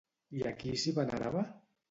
I a qui s'hi venerava?